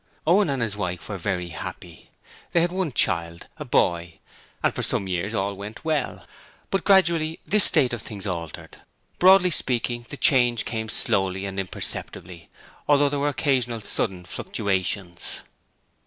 Owen and his wife were very happy. They had one child a boy and for some years all went well. But gradually this state of things altered: broadly speaking, the change came slowly and imperceptibly, although there were occasional sudden fluctuations.